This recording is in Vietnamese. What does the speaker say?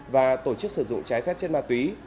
và tổ chức sử dụng trái phép chất ma túy